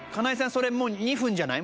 それもう２分じゃない？